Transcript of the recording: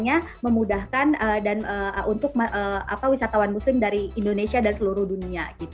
jadi itu adalah hal yang memudahkan untuk wisatawan muslim dari indonesia dan seluruh dunia